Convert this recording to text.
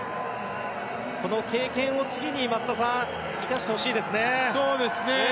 この経験を次に生かしてほしいですね。